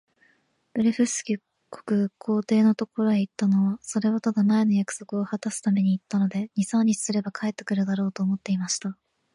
ブレフスキュ国皇帝のところへ行ったのは、それはただ、前の約束をはたすために行ったので、二三日すれば帰って来るだろう、と思っていました。